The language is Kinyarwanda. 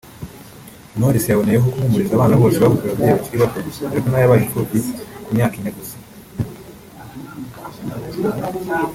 Knowless yaboneyeho guhumuriza abana bose babuze ababyeyi bakiri bato dore ko nawe yabaye impfubyi ku myaka ine gusa